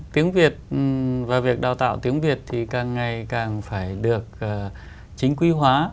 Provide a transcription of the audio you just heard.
tiếng việt và việc đào tạo tiếng việt thì càng ngày càng phải được chính quy hóa